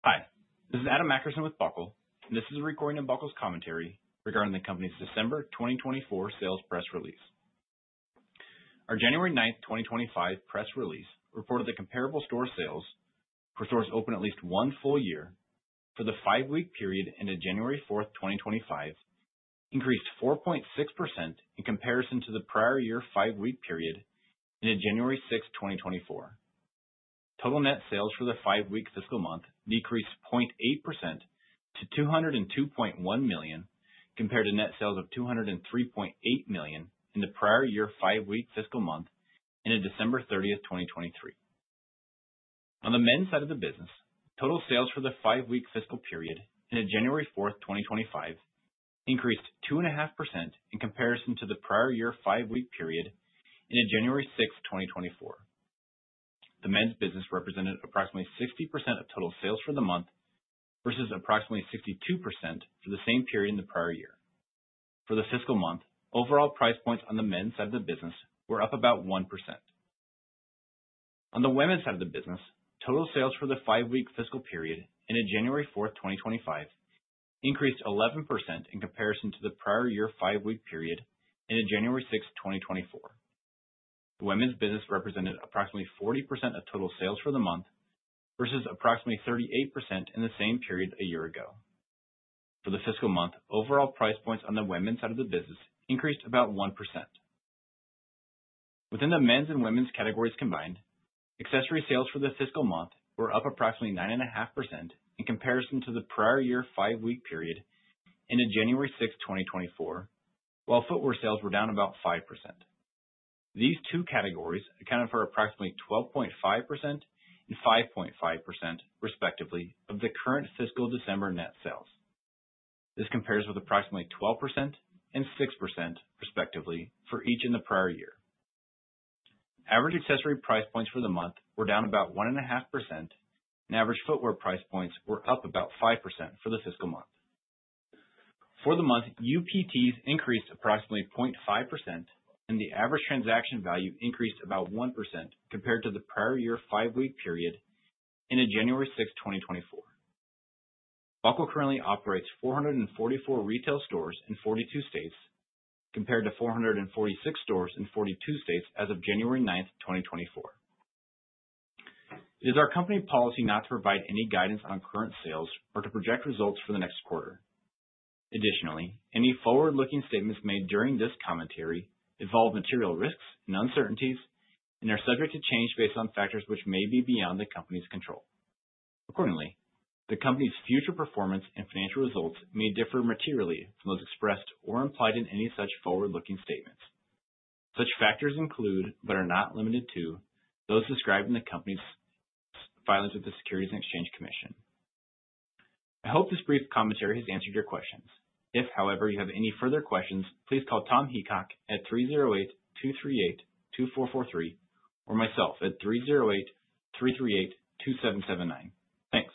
Hi, this is Adam Akerson with Buckle, and this is a recording of Buckle's commentary regarding the company's December 2024 sales press release. Our January 9th, 2025 press release reported that comparable store sales for stores open at least one full year for the five-week period ended January 4th, 2025, increased 4.6% in comparison to the prior year five-week period ended January 6th, 2024. Total net sales for the five-week fiscal month decreased 0.8% to $202.1 million compared to net sales of $203.8 million in the prior year five-week fiscal month ended December 30th, 2023. On the men's side of the business, total sales for the five-week fiscal period ended January 4th, 2025, increased 2.5% in comparison to the prior year five-week period ended January 6th, 2024. The men's business represented approximately 60% of total sales for the month versus approximately 62% for the same period in the prior year. For the fiscal month, overall price points on the men's side of the business were up about 1%. On the women's side of the business, total sales for the five-week fiscal period ended January 4th, 2025, increased 11% in comparison to the prior year five-week period ended January 6th, 2024. The women's business represented approximately 40% of total sales for the month versus approximately 38% in the same period a year ago. For the fiscal month, overall price points on the women's side of the business increased about 1%. Within the men's and women's categories combined, accessory sales for the fiscal month were up approximately 9.5% in comparison to the prior year five-week period ended January 6th, 2024, while footwear sales were down about 5%. These two categories accounted for approximately 12.5% and 5.5%, respectively, of the current fiscal December net sales. This compares with approximately 12% and 6%, respectively, for each in the prior year. Average accessory price points for the month were down about 1.5%, and average footwear price points were up about 5% for the fiscal month. For the month, UPTs increased approximately 0.5%, and the average transaction value increased about 1% compared to the prior year five-week period ended January 6th, 2024. Buckle currently operates 444 retail stores in 42 states, compared to 446 stores in 42 states as of January 9th, 2024. It is our company policy not to provide any guidance on current sales or to project results for the next quarter. Additionally, any forward-looking statements made during this commentary involve material risks and uncertainties and are subject to change based on factors which may be beyond the company's control. Accordingly, the company's future performance and financial results may differ materially from those expressed or implied in any such forward-looking statements. Such factors include, but are not limited to, those described in the company's filings with the Securities and Exchange Commission. I hope this brief commentary has answered your questions. If, however, you have any further questions, please call Tom Heacock at 308-238-2443 or myself at 308-338-2779. Thanks.